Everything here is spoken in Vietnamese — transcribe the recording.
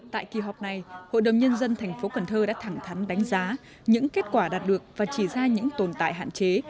tại kỳ họp này hội đồng nhân dân thành phố cần thơ đã thẳng thắn đánh giá những kết quả đạt được và chỉ ra những tồn tại hạn chế